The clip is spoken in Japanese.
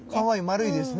丸いですね。